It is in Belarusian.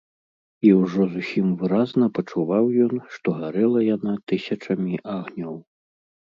І ўжо зусім выразна пачуваў ён, што гарэла яна тысячамі агнёў.